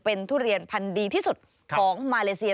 เป็นทุเรียนพันธุ์ดีที่สุดของมาเลเซีย